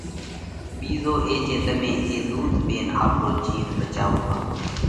ٻِيزو اي جي تمي اي ۮُوڌ پينَ آپرو جِيوَ ڀچاوو پرو